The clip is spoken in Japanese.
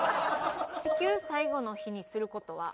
地球最後の日にする事は？